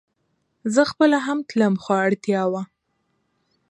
زه خپله هم تلم خو اړتيا وه